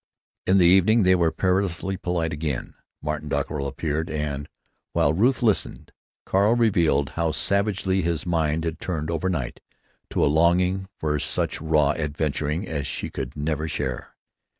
In the evening they were perilously polite again. Martin Dockerill appeared and, while Ruth listened, Carl revealed how savagely his mind had turned overnight to a longing for such raw adventuring as she could never share.